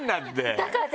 だから。